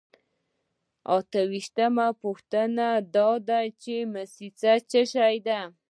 اته ویشتمه پوښتنه دا ده چې موسسه څه شی ده.